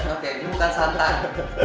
oke jadi bukan santan